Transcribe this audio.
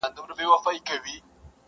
چي مي هر څه غلا کول دې نازولم!.